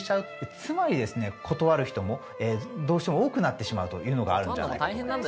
つまりですね断る人もどうしても多くなってしまうというのがあるんじゃないかと思います。